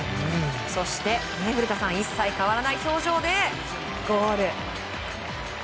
そして、古田さん一切変わらない表情でゴール。